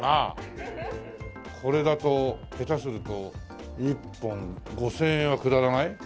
これだと下手すると１本５０００円はくだらない？